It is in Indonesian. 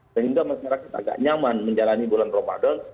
sehingga masyarakat agak nyaman menjalani bulan ramadan